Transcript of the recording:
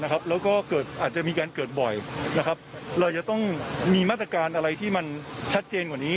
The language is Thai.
แล้วก็เกิดอาจจะมีการเกิดบ่อยเราจะต้องมีมาตรการอะไรที่มันชัดเจนกว่านี้